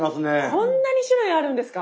こんなに種類あるんですか？